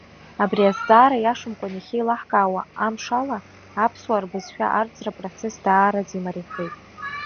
Абри азҵаара иашамкәан иахьеилаҳкаауа амшала, аԥсуаа рбызшәа арӡра апроцесс даараӡа имариахеит.